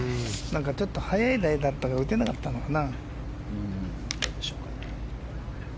ちょっと早いラインだったから打てなかったのかな。